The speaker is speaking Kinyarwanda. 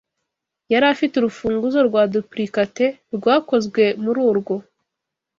Yari afite urufunguzo rwa duplicate rwakozwe muri urwo.